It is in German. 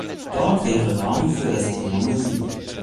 Dort wäre Raum für das Thema Musik.